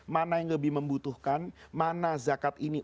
mana yang lebih membutuhkan mana zakat ini